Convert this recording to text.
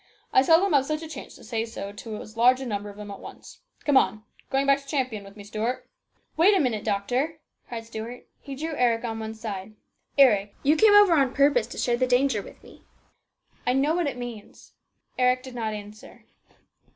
I seldom have such a chance to say so to as large a number of 'em at once. Come on. Going back to Champion with me, Stuart ?"" Wait a minute, doctor !" cried Stuart. He drew Eric on one side. " Eric, you came over on purpose to share the danger with me. I know what it means." Eric did not answer.